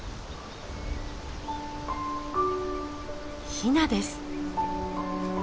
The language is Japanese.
ヒナです！